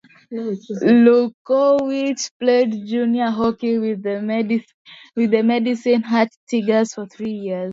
Lukowich played junior hockey with the Medicine Hat Tigers for three years.